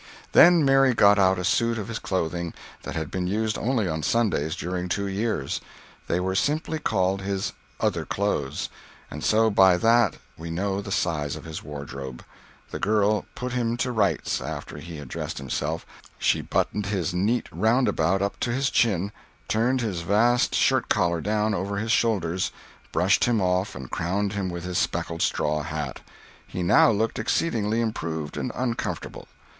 ] Then Mary got out a suit of his clothing that had been used only on Sundays during two years—they were simply called his "other clothes"—and so by that we know the size of his wardrobe. The girl "put him to rights" after he had dressed himself; she buttoned his neat roundabout up to his chin, turned his vast shirt collar down over his shoulders, brushed him off and crowned him with his speckled straw hat. He now looked exceedingly improved and uncomfortable.